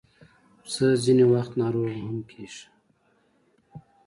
پسه ځینې وخت ناروغه هم کېږي.